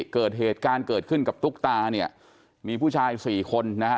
เกิดเหตุการณ์เกิดขึ้นกับตุ๊กตาเนี่ยมีผู้ชายสี่คนนะฮะ